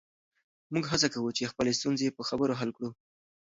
موږ هڅه کوو چې خپلې ستونزې په خبرو حل کړو.